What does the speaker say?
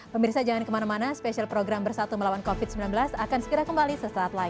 pemirsa jangan kemana mana spesial program bersatu melawan covid sembilan belas akan segera kembali sesaat lagi